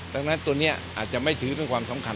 ดังนั้นตัวนี้อาจจะไม่ถือเป็นความสำคัญ